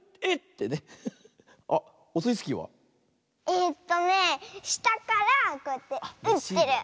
えっとねしたからこうやってうってる。